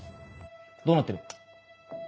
どうなってる？